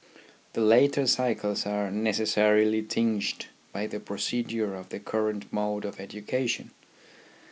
The later cycles are neces sarily tinged by the procedure of the current mode of education.